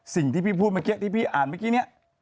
สิ่งที่พี่พูดเมื่อกี้ที่พี่อ่านเมื่อกี้เนี่ย